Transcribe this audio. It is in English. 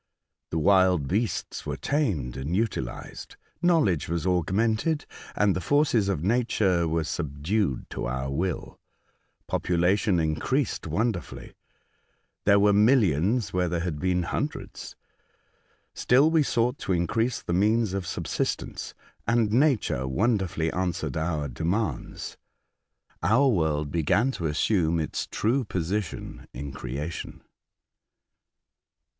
The wild beasts were tamed and utilized, knowledge was augmented, and the forces of nature were subdued to our will. Population increased wonderfully. There were millions where there had been hundreds. Still we sought to increase the means of subsistence, and nature wonderfully answered our demands. Our world began to assume its true position in creation."